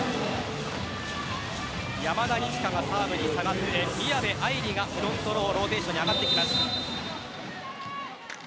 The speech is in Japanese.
山田二千華がサーブに下がって宮部藍梨がフロントローローテーションに上がってきます。